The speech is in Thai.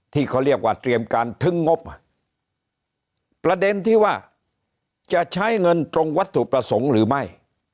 ที่เขาเรียกว่าเตรียมการทึ้งงบประเด็นที่ว่าจะใช้เงินตรงวัตถุประสงค์หรือไม่